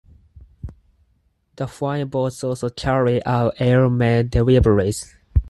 The flying boats also carried out air mail deliveries.